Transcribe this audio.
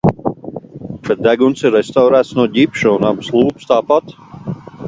Bet deguns ir restaurēts no ģipša un abas lūpas tāpat.